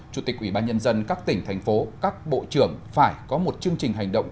chủ tịch ủy ban nhân dân các tỉnh thành phố các bộ trưởng phải có một chương trình hành động